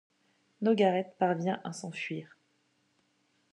Nogaret parvient à s'enfuir.